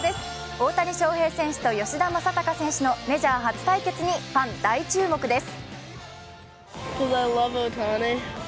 大谷翔平選手と吉田正尚選手のメジャー初対決にファン大注目です。